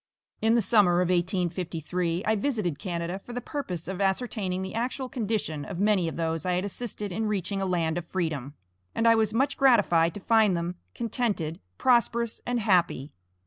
In the summer of 1853, I visited Canada for the purpose of ascertaining the actual condition of many of those I had assisted in reaching a land of freedom; and I was much gratified to find them contented, prosperous, and happy.